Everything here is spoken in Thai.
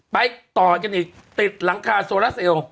ไปต่อกันอีกติดหลังคาโซลาเซล